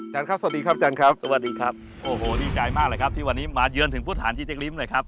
ครับสวัสดีครับอาจารย์ครับสวัสดีครับโอ้โหดีใจมากเลยครับที่วันนี้มาเยือนถึงพุทธฐานจีเจ๊ริ้มหน่อยครับ